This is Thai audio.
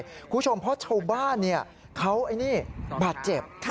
คุณผู้ชมเพราะชาวบ้านเขาไอ้นี่บาดเจ็บ